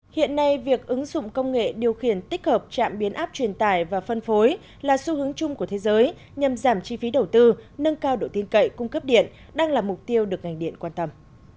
hiện nay việc ứng dụng công nghệ điều khiển tích hợp trạm biến áp truyền tải và phân phối là xu hướng chung của thế giới nhằm giảm chi phí đầu tư nâng cao độ tin cậy cung cấp điện đang là mục tiêu được ngành điện quan tâm